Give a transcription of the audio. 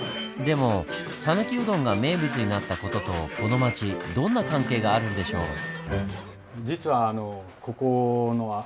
でもさぬきうどんが名物になった事とこの町どんな関係があるんでしょう？